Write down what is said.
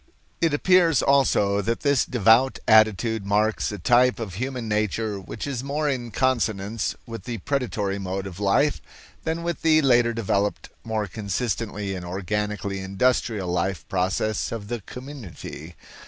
It appears also that this devout attitude marks a type of human nature which is more in consonance with the predatory mode of life than with the later developed, more consistently and organically industrial life process of the community.